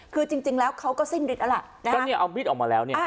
คือจริงแล้วเขาก็สิ้นฤทธิแล้วล่ะก็เนี่ยเอามีดออกมาแล้วเนี่ย